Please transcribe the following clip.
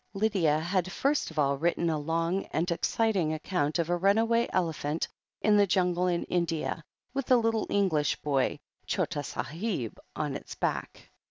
Lydia had first of all written a long and exciting account of a runaway ele phant in the jungle in India, with a little English boy — chota sahib— on its back.